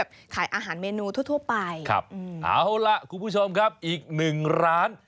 เอาแหละคุณผู้ชมครับอีกหนึ่งร้าน